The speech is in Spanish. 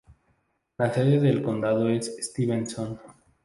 La sede del condado es Stevenson.